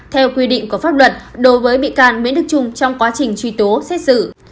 theo quy định của pháp luật đối với bị can nguyễn đức trung trong quá trình truy tố xét xử